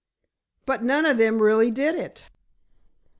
"But none of them really did it."